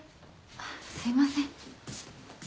あっすいません。